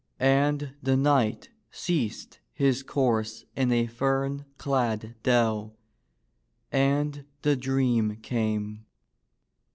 And the knight ceased his course in a fern clad dell and the dream came.